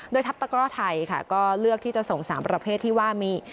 โดยทัพตะกร่อไทยค่ะก็เลือกที่จะส่ง๓ประเภทที่ว่ามี